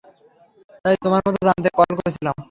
তাই, তোমার মত জানতে কল করেছিলাম।